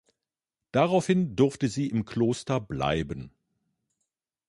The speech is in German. Daraufhin durfte sie im Kloster bleiben.